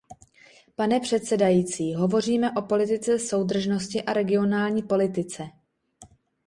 Pane předsedající, hovoříme o politice soudržnosti a regionální politice.